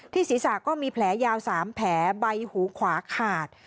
ศีรษะก็มีแผลยาว๓แผลใบหูขวาขาด